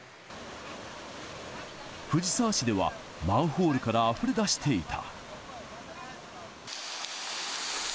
藤沢市では、マンホールからあふれ出していた。